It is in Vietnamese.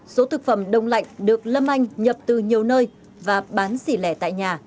số thực phẩm đông lạnh được lâm anh nhập từ nhiều nơi và bán xỉ lẻ tại nhà